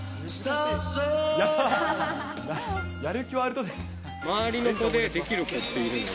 やる気はあるとです。